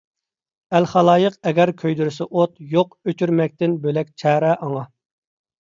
ئەل - خالايىق ئەگەر كۆيدۈرسە ئوت، يوق ئۆچۈرمەكتىن بۆلەك چارە ئاڭا.